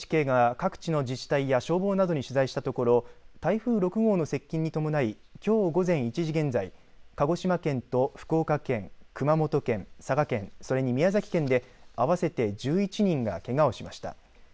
ＮＨＫが各地の自治体や消防などに取材したところ台風６号の接近に伴いきょう午前１時現在鹿児島県と福岡県、熊本県、佐賀県それに宮崎県で合わせて１１人がけがをしました。